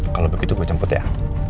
kalo begitu gue jemput ya